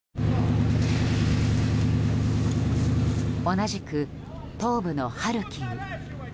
同じく東部のハルキウ。